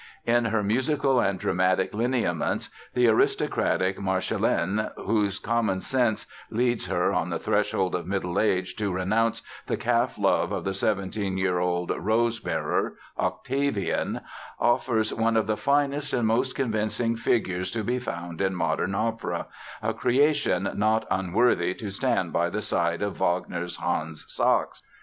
In her musical and dramatic lineaments the aristocratic Marschallin, whose common sense leads her, on the threshold of middle age to renounce the calf love of the 17 year old "Rose Bearer", Octavian, offers one of the finest and most convincing figures to be found in modern opera—a creation not unworthy to stand by the side of Wagner's Hans Sachs.